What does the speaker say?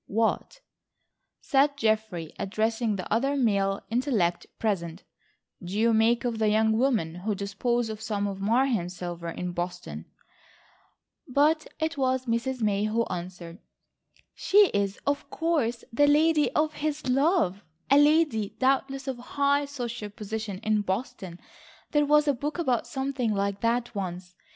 "What," said Geoffrey, addressing the other male intellect present, "do you make of the young woman who disposed of some of the Marheim silver in Boston?" [Illustration: "It was a young lady who disposed of the silver"] But it was Mrs. May who answered: "She is of course the lady of his love—a lady doubtless of high social position in Boston. There was a book about something like that once.